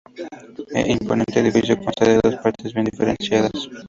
El imponente edificio consta de dos partes bien diferenciadas.